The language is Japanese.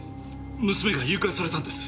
娘が誘拐されたんです。